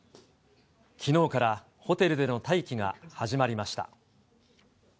きのうからホテルでの待機が始まりました。